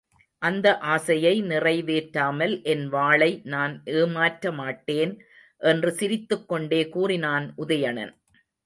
அந்த ஆசையை நிறைவேற்றாமல் என் வாளை நான் ஏமாற்றமாட்டேன் என்று சிரித்துக்கொண்டே கூறினான் உதயணன்.